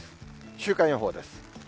週間予報です。